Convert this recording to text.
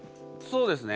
そうですね。